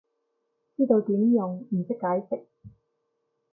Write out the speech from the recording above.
知道點用，唔識解釋